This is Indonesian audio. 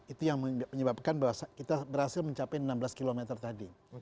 itu yang menyebabkan bahwa kita berhasil mencapai enam belas km tadi